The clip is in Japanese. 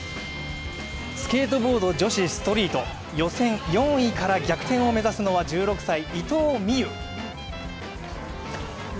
スケートボード女子ストリート、予選４位から逆転を目指すのは１６歳、伊藤美優。